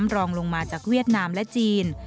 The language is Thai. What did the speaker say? รองลงมาจากเวียดนามและจีน